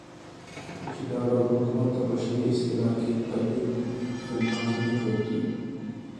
چی دا ډول حکومت ته په شرعی اصطلاح کی توحید فی الحاکمیت ویل کیږی